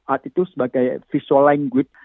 art itu sebagai visual language